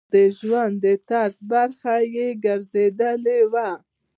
او د ژوند د طرز برخه ئې ګرځېدلي وي -